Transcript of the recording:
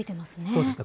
そうですね。